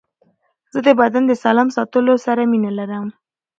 زه د بدن د سالم ساتلو سره مینه لرم.